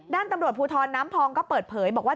ด้านตำรวจภูทรน้ำพองก็เปิดเผยบอกว่า